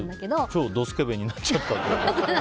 超ドスケベになっちゃったとか。